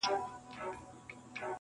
غازي د خپلي خور پوړني ته بازار لټوي-